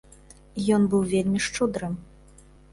Ён быў вельмі шчодрым.